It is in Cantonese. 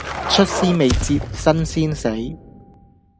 出師未捷身先死